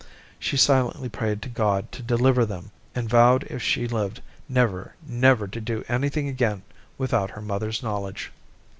She silently prayed to God to deliver them, and vowed if she lived, never, never to do anything again without her mother's knowledge.